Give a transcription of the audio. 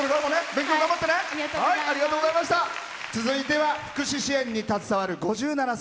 続いては福祉支援に携わる５７歳。